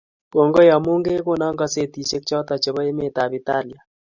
Kongoi amu kegono kazetishek choto chebo emetab Italia